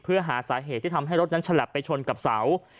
เพื่อหาสาเหตุที่ทำให้รถนั้นฉลับไปชนกับเสา